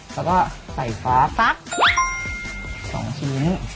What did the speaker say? สี่